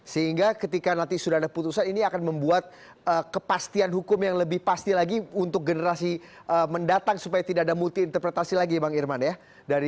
sehingga ketika nanti sudah ada putusan ini akan membuat kepastian hukum yang lebih pasti lagi untuk generasi mendatang supaya tidak ada multi interpretasi lagi bang irman ya